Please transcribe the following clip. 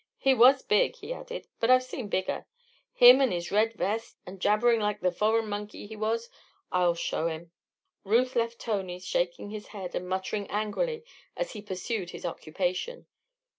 He was big," he added; "but I've seen bigger. Him an' his red vest and jabberin' like the foreign monkey he was. I'll show him!" Ruth left Tony shaking his head and muttering angrily as he pursued his occupation.